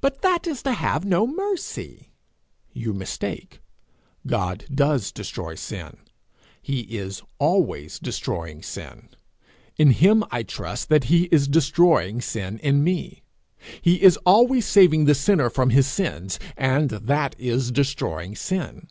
'But that is to have no mercy.' You mistake. God does destroy sin; he is always destroying sin. In him I trust that he is destroying sin in me. He is always saving the sinner from his sins, and that is destroying sin.